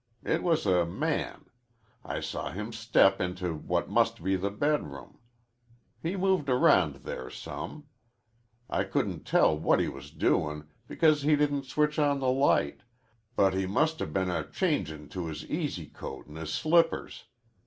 It was a man. I saw him step into what must be the bedroom. He moved around there some. I couldn't tell what he was doin' because he didn't switch on the light, but he must 'a' been changin' to his easy coat an' his slippers.